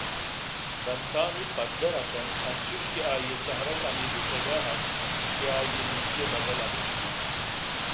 دنتانےپدّر اِت اَنت انچوش کہ آئی ءِچہرگ ہمے گوٛشگءَاَت کہ آئی ءِ نیکی ءِ بدل ہمیش بوت